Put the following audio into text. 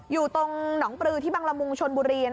อยู่ตรงหนองปลือที่บังละมุงชนบุรี